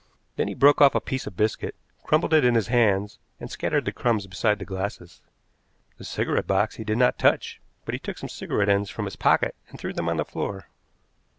Then he broke off a piece of biscuit, crumbled it in his hands, and scattered the crumbs beside the glasses. The cigarette box he did not touch, but he took some cigarette ends from his pocket and threw them on the floor.